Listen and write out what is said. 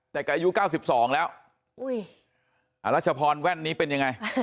แต่แกอายุ๙๒แล้วอรัชพรแว่นนี้เป็นยังไง